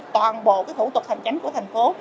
toàn bộ cái thủ tục thành chánh của thành phố